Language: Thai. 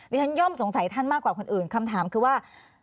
ฉันย่อมสงสัยท่านมากกว่าคนอื่นคำถามคือว่า